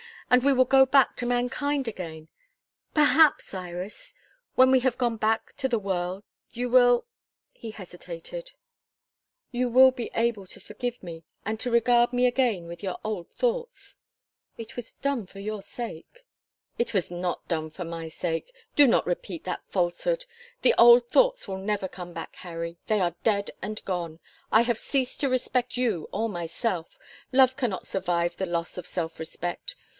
And we will go back to mankind again. Perhaps, Iris when we have gone back to the world you will " he hesitated "you will be able to forgive me, and to regard me again with your old thoughts. It was done for your sake." "It was not done for my sake. Do not repeat that falsehood. The old thoughts will never come back, Harry. They are dead and gone. I have ceased to respect you or myself. Love cannot survive the loss of self respect.